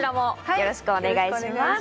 よろしくお願いします。